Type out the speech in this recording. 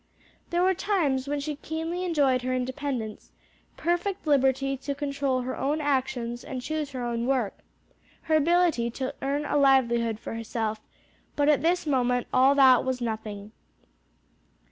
There were times when she keenly enjoyed her independence, perfect liberty to control her own actions and choose her own work; her ability to earn a livelihood for herself; but at this moment all that was as nothing.